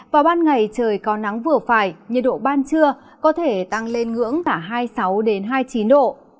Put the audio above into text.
vào ban ngày trời có nắng vừa phải nhiệt độ ban trưa có thể tăng lên ngưỡng là hai mươi sáu hai mươi chín độ